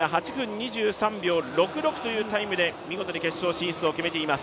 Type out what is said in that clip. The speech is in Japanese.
エルバカリが８分２３秒６６というタイムで見事に決勝進出を決めています。